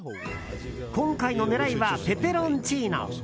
今回の狙いはペペロンチーノ。